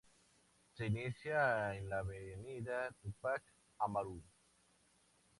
Se inicia en la avenida Túpac Amaru.